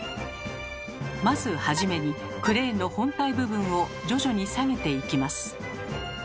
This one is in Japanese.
まず初めにクレーンの本体部分を徐々に下げていきます。